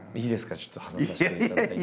ちょっと話させていただいて。